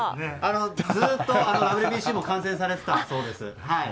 ずっとＷＢＣも観戦されていたそうです。